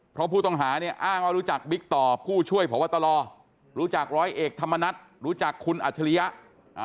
เพราะผู้ต้องหาเนี่ยอ้างว่ารู้จักบิ๊กต่อผู้ช่วยพบตรรู้จักร้อยเอกธรรมนัฏรู้จักคุณอัจฉริยะ